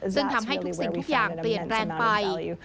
ซึ่งทำให้ทุกสิ่งทุกอย่างเปลี่ยนแปลงไป